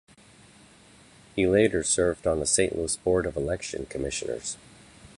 He later served on the Saint Louis board of election commissioners.